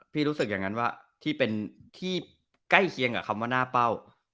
รู้สึกอย่างนั้นว่าที่เป็นที่ใกล้เคียงกับคำว่าหน้าเป้า